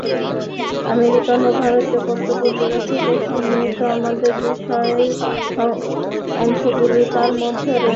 American ও ভারতীয় পত্র-পত্রিকা থেকে সংগৃহীত আমার বিষয়ক অংশগুলি তার মধ্যে রয়েছে।